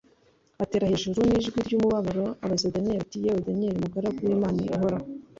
atera hejuru n’ijwi ry’umubabaro abaza Daniyeli ati “Yewe Daniyeli mugaragu w’Imana ihoraho